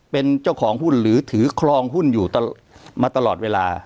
เป็นเจ้าของหุ้นหรือถือครองหุ้นอยู่มาตลอดเวลา